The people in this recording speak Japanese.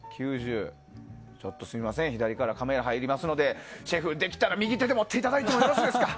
すみません左からカメラ入りますのでシェフ、できたら右手で持っていただいてもよろしいですか。